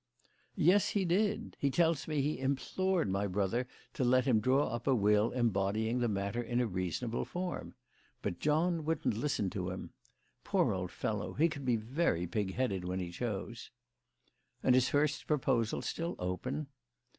"Yes, he did. He tells me that he implored my brother to let him draw up a will embodying the matter in a reasonable form. But John wouldn't listen to him. Poor old fellow! he could be very pig headed when he chose." "And is Hurst's proposal still open?"